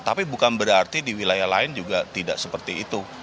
tapi bukan berarti di wilayah lain juga tidak seperti itu